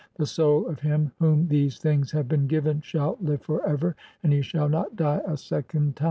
THE SOUL OF HL\I WHOM THESE THINGS HAVE BEEN GIVEN SHALL LIVE FOR EVER, AND HE SHALL NOT DIE A SECOND TIME.